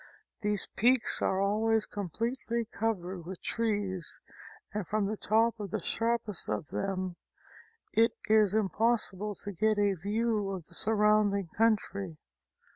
These peaks are always completely covered with trees and from the top of the sharpest of them it is impossible to get a view of the surrounding country.